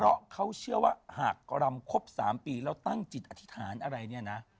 เพราะเขาเชื่อว่าหารกรำครบ๓ปีแล้วตั้งจิตอธิษฐานอะไรเนี่ยนะ